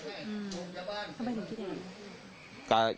อืมทำไมคุณคิดอย่างนี้